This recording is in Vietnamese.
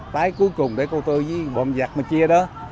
trái cuối cùng để cô tôi với bọn giặc mà chia đó